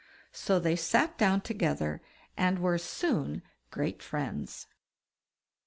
So they sat down together, and were soon great friends.